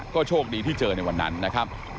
ก็โชคดีที่เจอในวันนั้นนะครับ